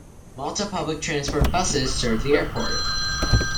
Malta Public Transport buses serve the airport.